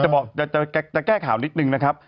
เมื่อกี้จะแก้ข่าวนิดนึงนะครับ